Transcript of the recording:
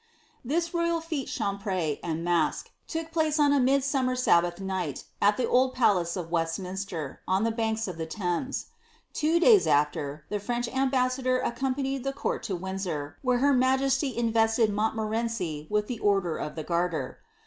''' This royal (^ie champ^tre and mask, took place on a midsummer Sibbath night, at the old palace of Westminster, on the banks of the Thames. Two days after, the French ambassador accompanied the court to Windsor, where her majesty invested Montniorenci with the order of the Garter.